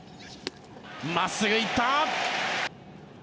まっすぐ、行った！